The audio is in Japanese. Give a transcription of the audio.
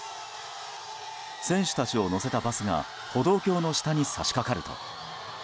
選手たちを乗せたバスが歩道橋の下に差し掛かると。